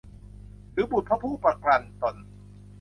หรือบุตรของผู้ประกันตน